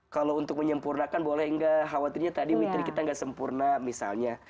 kalau untuk menyempurnakan boleh tidak khawatirnya tadi witir kita tidak sempurna misalnya